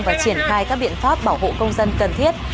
và triển khai các biện pháp bảo hộ công dân cần thiết